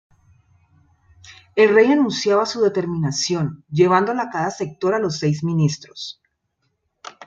El Rey anunciaba su determinación, llevándola cada sector a los seis ministros.